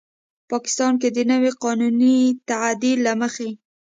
پاکستان کې د نوي قانوني تعدیل له مخې